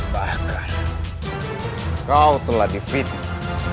bahkan kau telah difitmah